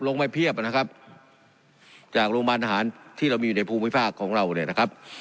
ลงไปเพียบนะครับจากโรงพยาบาลทหารที่เรามีอยู่ในภูมิภาคของเราเนี่ยนะครับ